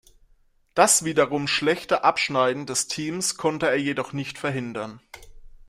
Das wiederum schlechte Abschneiden des Teams konnte er jedoch nicht verhindern.